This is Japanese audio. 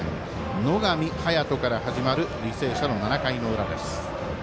野上隼人から始まる履正社の７回の裏です。